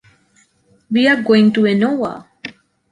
We are going to Ènova.